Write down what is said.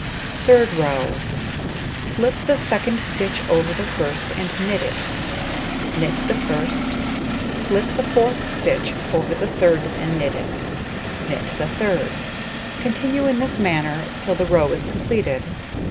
Third row: Slip the second stitch over the first and knit it, knit the first, slip the fourth stitch over the third and knit it, knit the third; continue in this manner till the row is completed.